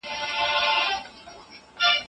ب: د شالمار تاريخي شاليد